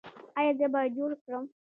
ایا زه باید جوړ کړم؟